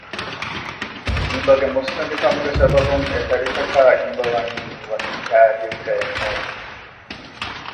އިނބަގެ މުއްސަނދި ކަމުގެ ސަބަބުން އެތަރިތަކާ އިނބަވަނީ ވަކިން ކައިރިއެއްގައެއް ނޫން